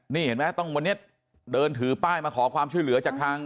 นี่เห็นไหมต้องวันนี้เดินถือป้ายมาขอความช่วยเหลือจากทาง